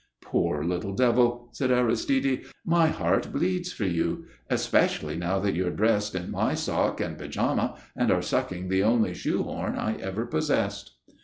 "Poor little devil!" said Aristide. "My heart bleeds for you, especially now that you're dressed in my sock and pyjama, and are sucking the only shoe horn I ever possessed."